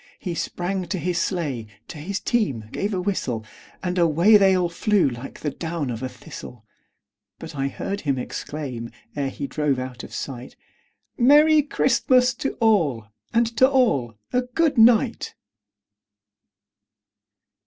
He sprang to his sleigh, to his team gave a whistle, And away they all flew like the down of a thistle; But I heard him exclaim, ere he drove out of sight, "Merry Christmas to all, and to all a good night!"